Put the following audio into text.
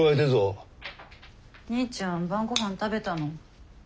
兄ちゃん晩ごはん食べたの？